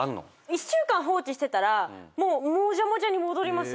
１週間放置してたらもうもじゃもじゃに戻ります。